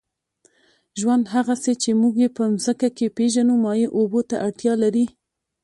ژوند، هغسې چې موږ یې په مځکه کې پېژنو، مایع اوبو ته اړتیا لري.